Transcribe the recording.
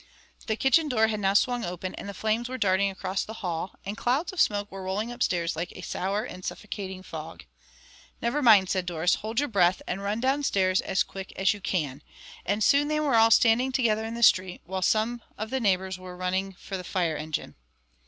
The kitchen door had now swung open, and the flames were darting across the hall; and clouds of smoke were rolling upstairs like a sour and suffocating fog. "Never mind," said Doris. "Hold your breath, and run downstairs as quick as you can," and soon they were all standing together in the street, while some of the neighbours were running for the fire engine.